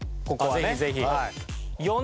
ぜひぜひ。